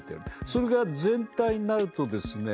それが全体になるとですね